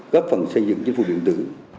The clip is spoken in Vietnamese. góp phần xây dựng chính phủ điện tử